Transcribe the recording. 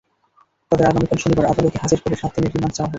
তাঁদের আগামীকাল শনিবার আদালতে হাজির করে সাত দিনের রিমান্ড চাওয়া হবে।